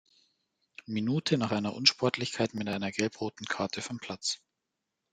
Minute nach einer Unsportlichkeit mit einer Gelb-Roten Karte vom Platz.